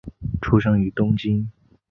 出生于东京。